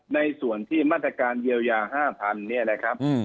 ในส่วนที่มาตรการเยียวยาห้าพันเนี่ยแหละครับอืม